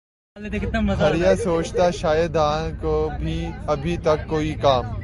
ھر یہ سوچتا شاید ان کو ابھی تک کوئی کام